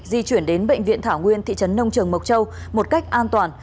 di chuyển đến bệnh viện thảo nguyên thị trấn nông trường mộc châu một cách an toàn